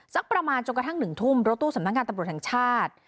สักประมาณจนกระทั่ง๑ทุ่มรถตู้สำนักงานตำรวจแห่งชาติ